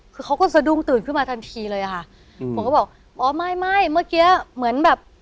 คือเขาก็สะดุ้งตื่นขึ้นมาทันทีเลยอะค่ะผมก็บอกอ๋อไม่ไม่เมื่อกี้เหมือนแบบ